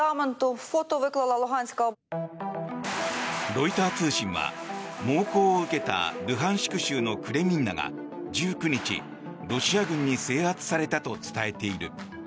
ロイター通信は、猛攻を受けたルハンシク州のクレミンナが１９日、ロシア軍に制圧されたと伝えている。